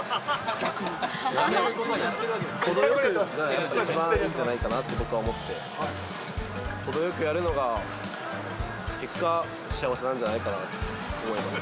やめることでね、程よくがやっぱ一番いいんじゃないかなと僕は思って、程よくやるのが結果、幸せなんじゃないかなと思います。